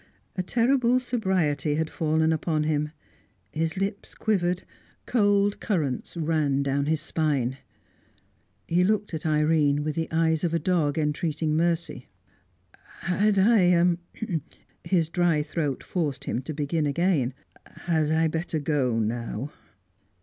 A terrible sobriety had fallen upon him; his lips quivered; cold currents ran down his spine. He looked at Irene with the eyes of a dog entreating mercy. "Had I" his dry throat forced him to begin again "had I better go now?"